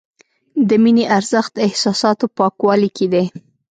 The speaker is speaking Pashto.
د مینې ارزښت د احساساتو پاکوالي کې دی.